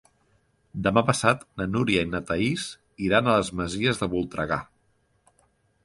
Demà passat na Núria i na Thaís iran a les Masies de Voltregà.